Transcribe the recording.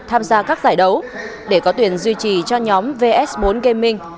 tham gia các giải đấu để có tuyển duy trì cho nhóm vs bốn gaming